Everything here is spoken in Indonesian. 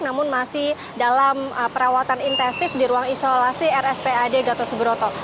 namun masih dalam perawatan intensif di ruang isolasi rspad gatot subroto